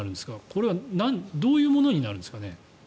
これはどういうものになるんですかね。